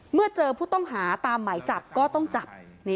เมื่อเจอผู้ต้องหาตามหมายจับก็ต้องจับ